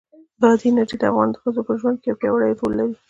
بادي انرژي د افغان ښځو په ژوند کې یو پیاوړی رول لري.